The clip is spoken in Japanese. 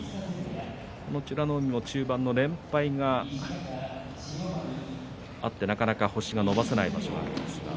美ノ海も中盤の連敗があってなかなか星が伸ばせない場所がありました。